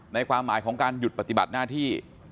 ความหมายของการหยุดปฏิบัติหน้าที่